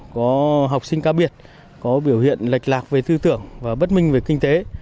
có học sinh cao biệt có biểu hiện lệch lạc về tư tưởng và bất minh về kinh tế